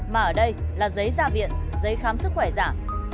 mà ở đây là giấy gia viện giấy khám sức khỏe giả